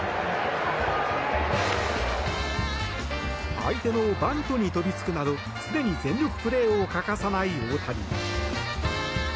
相手のバントに飛びつくなど常に全力プレーを欠かさない大谷。